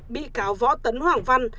bị cáo võ tấn hoàng văn